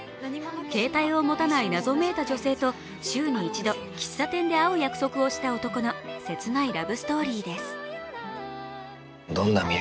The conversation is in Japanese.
携帯を持たない謎めいた女性と週に１度喫茶店で会う約束をした男の切ないラブストーリです。